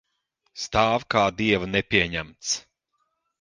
Stāv kā dieva nepieņemts.